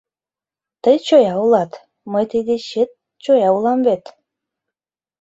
Тый чоя улат, мый тый дечет чоя улам вет!»